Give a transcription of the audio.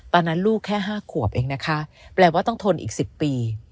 ตอนนั้นลูกแค่๕ขวบเองนะคะแปลว่าต้องทนอีก๑๐ปี